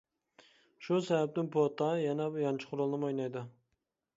شۇ سەۋەبتىن، پوتا يەنە يانچۇق رولىنىمۇ ئوينايدۇ.